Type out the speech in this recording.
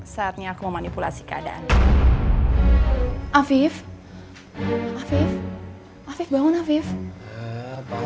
saatnya aku memanipulasi keadaan afif afif afif afif